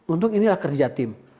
untuk inilah kerja tim